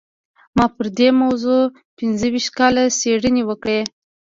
ما پر دې موضوع پينځه ويشت کاله څېړنې وکړې.